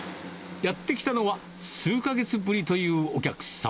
やって来たのは、数か月ぶりというお客さん。